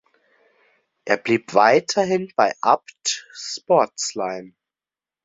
Er blieb weiterhin bei Abt Sportsline.